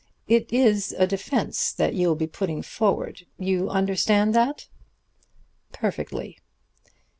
"It is a defense that you will be putting forward you understand that?" "Perfectly."